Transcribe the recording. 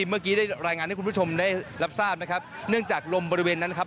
เมื่อกี้ได้รายงานให้คุณผู้ชมได้รับทราบนะครับเนื่องจากลมบริเวณนั้นครับ